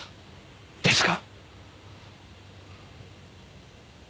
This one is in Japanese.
ですが！